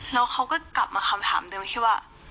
แล้วเขาก็กลับมาคำถามเดิมที่ว่า